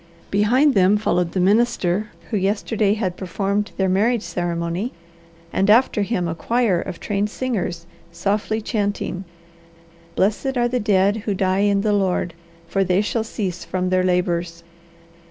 Behind them followed the minister who yesterday had performed their marriage ceremony, and after him a choir of trained singers softly chanting: "Blessed are the dead who die in the Lord, For they shall cease from their labours."